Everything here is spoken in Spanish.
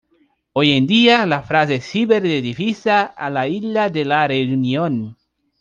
Hoy en día, la frase sirve de divisa a la Isla de la Reunión.